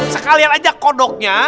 sekalian aja kodoknya